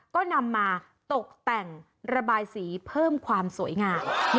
ก็นำมาตกแต่งระบายสีเพิ่มความสวยงาม